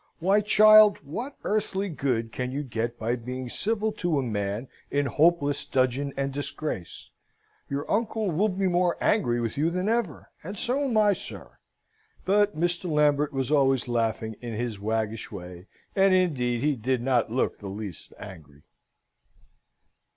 Why, child, what earthly good can you get by being civil to a man in hopeless dudgeon and disgrace? Your uncle will be more angry with you than ever and so am I, sir." But Mr. Lambert was always laughing in his waggish way, and, indeed, he did not look the least angry.